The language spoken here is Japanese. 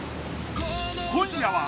［今夜は］